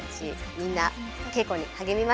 みんな稽古に励みました。